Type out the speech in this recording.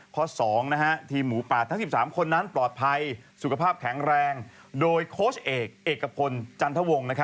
ข้อ๒นะฮะทีมหมูปากทั้ง๑๓คนนั้นปลอดภัยสุขภาพแข็งแรงโดยโค้ชเอกเอกกระพลจันทวงนะครับ